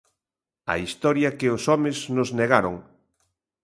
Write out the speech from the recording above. A Historia que os homes nos negaron.